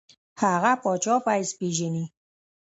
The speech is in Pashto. هغه پاچا په حیث پېژني.